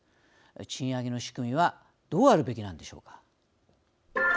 賃上げの仕組みはどうあるべきなんでしょうか。